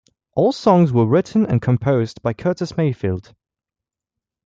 All songs were written and composed by Curtis Mayfield.